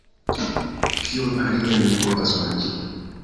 Kion alian mi povas manĝi?